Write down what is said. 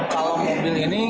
kalau mobil ini